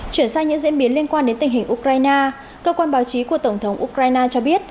chuyển sang những diễn biến liên quan đến tình hình ukraine cơ quan báo chí của tổng thống ukraine cho biết